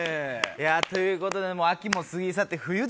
ということで秋も過ぎ去って冬ですよ。